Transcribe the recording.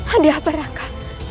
ada apa raka